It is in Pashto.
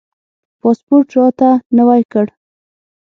پاسپورټ راته نوی کړ.